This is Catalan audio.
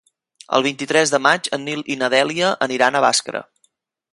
El vint-i-tres de maig en Nil i na Dèlia aniran a Bàscara.